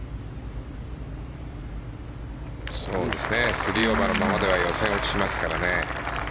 ３オーバーのままでは予選落ちしますからね。